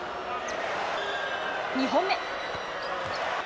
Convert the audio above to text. ２本目。